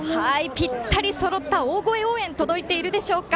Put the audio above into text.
ぴったりそろった大声応援届いているでしょうか。